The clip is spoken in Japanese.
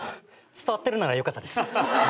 伝わってるならよかったです。